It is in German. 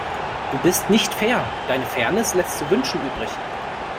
Du bist nicht fair, deine Fairness lässt zu wünschen übrig.